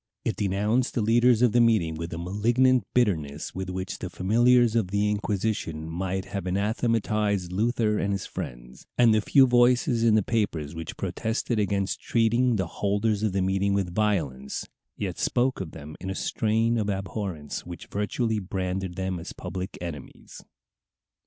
It denounced the leaders of the meeting with a malignant bitterness with which the familiars of the Inquisition might have anathematized Luther and his friends, and the few voices in the papers which protested against treating the holders of the meeting with violence, yet spoke of them in a strain of abhorrence which virtually branded them as public enemies.